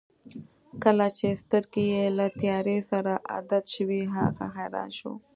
کله چې سترګې یې له تیارې سره عادت شوې هغه حیران شو.